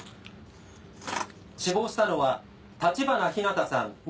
死亡したのは橘日向さん